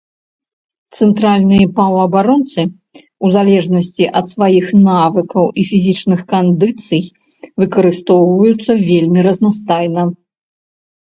Цэнтральныя паўабаронцы, у залежнасці ад сваіх навыкаў і фізічных кандыцый, выкарыстоўваюцца вельмі разнастайна.